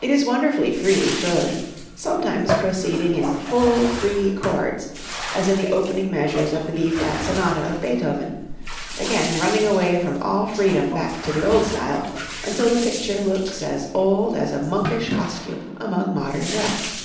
It is wonderfully free, surely; sometimes proceeding in full free chords, as in the opening measures of the B flat Sonata of Beethoven, again running away from all freedom back to the old style, until the picture looks as old as a monkish costume among modern dress.